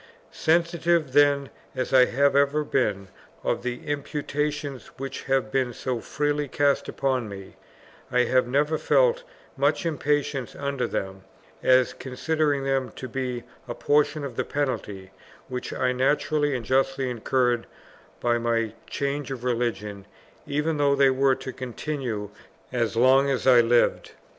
Sensitive then as I have ever been of the imputations which have been so freely cast upon me, I have never felt much impatience under them, as considering them to be a portion of the penalty which I naturally and justly incurred by my change of religion, even though they were to continue as long as I lived.